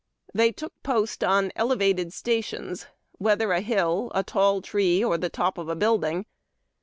They took post on elevated sta tions, whether a hill, a tall tree, or the top of a building.